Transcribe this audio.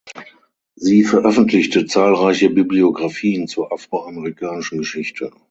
Sie veröffentlichte zahlreiche Bibliographien zur afroamerikanischen Geschichte.